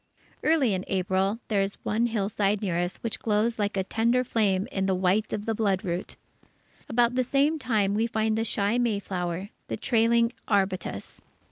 Early in April, there is one hillside near us which glows like a tender flame with the white of the bloodroot. About the same time, we find the shy mayflower, the trailing arbutus.